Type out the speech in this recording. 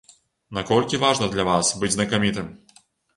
Наколькі важна для вас быць знакамітым?